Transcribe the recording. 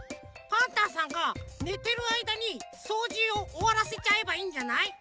パンタンさんがねてるあいだにそうじをおわらせちゃえばいいんじゃない？